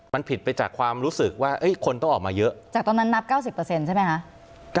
มันผิดไปจากความรู้สึกว่าเอ้ยคนต้องออกมาเยอะจากตอนนั้นนับเก้าสิบเปอร์เซ็นต์ใช่ไหมฮะ